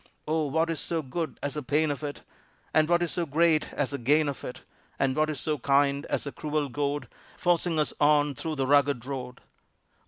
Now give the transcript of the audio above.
Oh, what is so good as the pain of it, And what is so great as the gain of it? And what is so kind as the cruel goad, Forcing us on through the rugged road?